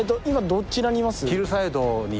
今どちらにいます？